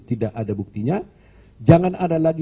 tidak ada buktinya jangan ada lagi